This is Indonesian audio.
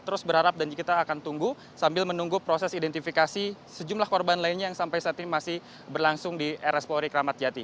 terus berharap dan kita akan tunggu sambil menunggu proses identifikasi sejumlah korban lainnya yang sampai saat ini masih berlangsung di rs polri kramat jati